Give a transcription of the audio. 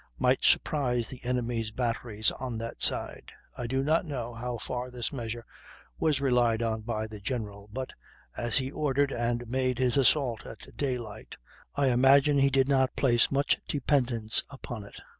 might surprise the enemy's batteries on that side. I do not know how far this measure was relied on by the general, but, as he ordered and made his assault at daylight, I imagine he did not place much dependence upon it."